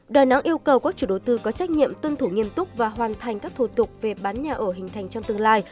đà nẵng yêu cầu các chủ đối tư có trách nhiệm tuân thủ nghiêm túc và hoàn thành các thủ tục về bán nhà ở hình thành trong tương lai